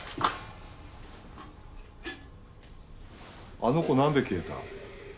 あの子なんで消えた？